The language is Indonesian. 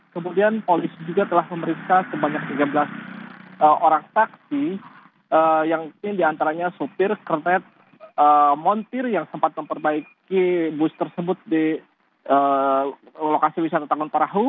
kemudian polisi juga telah memeriksa sebanyak tiga belas orang taksi yang mungkin diantaranya supir kernet montir yang sempat memperbaiki bus tersebut di lokasi wisata tangun parahu